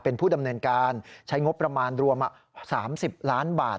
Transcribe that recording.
เป็นผู้ดำเนินการใช้งบประมาณรวม๓๐ล้านบาท